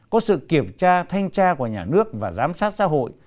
có sự kiểm tra thanh tra của nhà nước và giám sát xã hội